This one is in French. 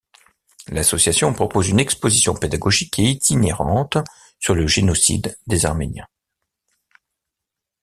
L'association propose une exposition pédagogique et itinérante sur le génocide des Arméniens.